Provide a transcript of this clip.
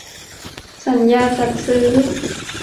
สัญญาจัดซื้อ